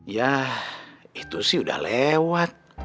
ya itu sih udah lewat